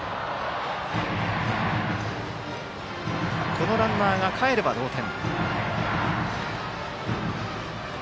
一塁ランナーがかえれば同点。